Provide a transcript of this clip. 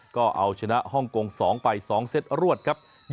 ก็เอาชนะฮ่องกง๒ไป๒เซตรวดครับ